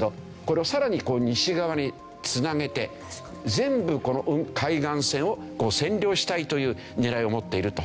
これをさらに西側に繋げて全部この海岸線を占領したいという狙いを持っていると。